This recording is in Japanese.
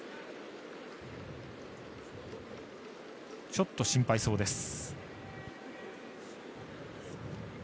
ちょっと心配そうです。